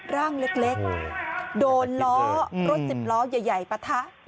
ร่างเล็กโดนล้อรถสิบล้อใหญ่ปะทะ